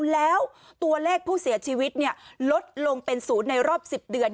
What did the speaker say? แล้วตัวเลขผู้เสียชีวิตลดลงเป็น๐ในรอบ๑๐เดือน